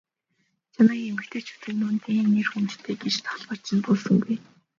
Чамайг эмэгтэйчүүдийн дунд ийм нэр хүндтэй гэж толгойд минь буусангүй.